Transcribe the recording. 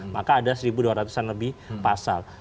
maka ada satu dua ratus an lebih pasal